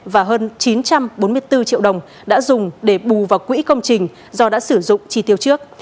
và hơn chín trăm bốn mươi bốn triệu đồng đã dùng để bù vào quỹ công trình do đã sử dụng chi tiêu trước